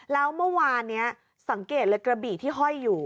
แล้วเมื่อวานนี้สังเกตเลยกระบี่ที่ห้อยอยู่